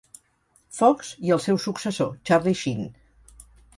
Fox i el seu successor, Charlie Sheen.